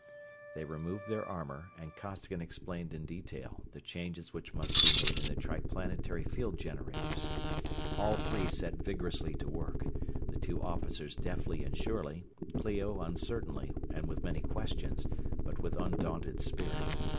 They removed their armor, and Costigan explained in detail the changes which must be made in the Triplanetary field generators. All three set vigorously to work the two officers deftly and surely; Clio uncertainly and with many questions, but with undaunted spirit.